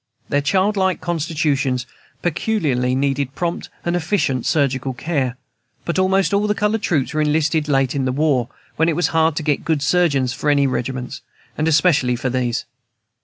Their childlike constitutions peculiarly needed prompt and efficient surgical care; but almost all the colored troops were enlisted late in the war, when it was hard to get good surgeons for any regiments, and especially for these.